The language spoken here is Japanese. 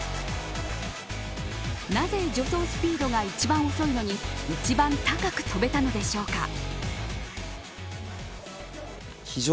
なぜ助走スピードが一番遅いのに一番高くとべたのでしょうか。